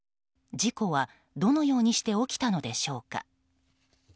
事故はどのようにして起きたのでしょうか。